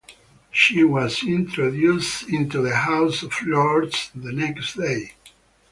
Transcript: She was introduced into the House of Lords the next day.